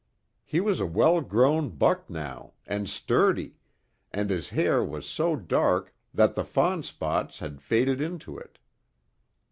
He was a well grown buck now, and sturdy, and his hair was so dark that the fawn spots had faded into it.